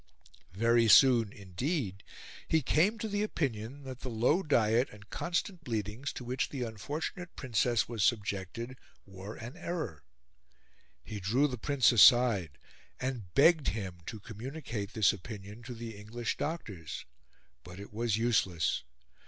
Very soon, indeed, he came to the opinion that the low diet and constant bleedings, to which the unfortunate Princess was subjected, were an error; he drew the Prince aside, and begged him to communicate this opinion to the English doctors; but it was useless.